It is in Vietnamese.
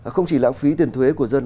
không chỉ lãng phí tiền thuế của dân